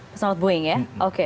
pesawat boeing ya oke